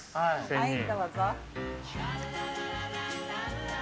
はい、どうぞ。